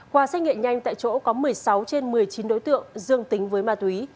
qua xét nghiệm nhanh tại chỗ có một mươi sáu trên một mươi chín đối tượng dương tính với ma túy